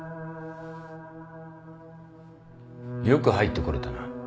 よく入ってこれたな？